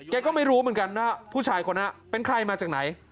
ก็ไม่รู้เหมือนกันว่าผู้ชายคนนั้นเป็นใครมาจากไหน